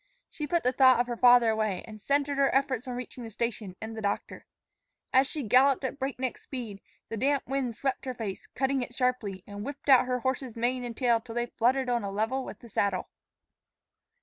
She put the thought of her father away, and centered her efforts on reaching the station and the doctor. As she galloped at breakneck speed, the damp wind swept her face, cutting it sharply, and whipped out her horse's mane and tail till they fluttered on a level with the saddle.